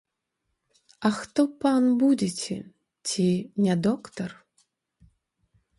А хто, пан, будзеце, ці не доктар?